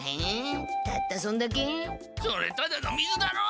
それただの水だろ？